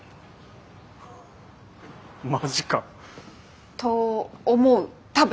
マジか！と思う多分。